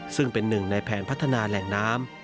ซึ่งเป็นหนึ่งในแผนพัฒนาแหล่งน้ำ